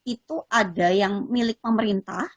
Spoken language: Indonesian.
itu ada yang milik pemerintah